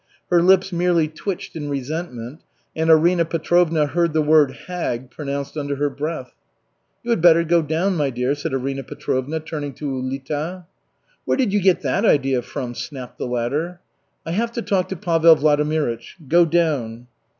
Her lips merely twitched in resentment, and Arina Petrovna heard the word "hag" pronounced under her breath. "You had better go down, my dear," said Arina Petrovna, turning to Ulita. "Where did you get that idea from?" snapped the latter. "I have to talk to Pavel Vladimirych. Go down."